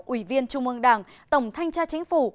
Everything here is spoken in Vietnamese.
ủy viên trung ương đảng tổng thanh tra chính phủ